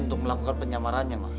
untuk melakukan penyamarannya ma